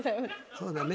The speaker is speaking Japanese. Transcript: そうだよね。